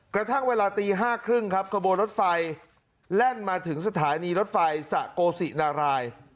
กระทั่งเวลาตี๕๓๐ครับขบวนรถไฟแล่นมาถึงสถานีรถไฟสะโกศินาราย